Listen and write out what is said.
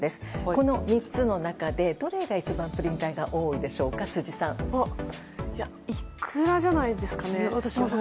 この３つの中で、どれが一番プリン体が多いでしょうかイクラじゃないですかね？